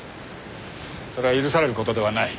それは許される事ではない。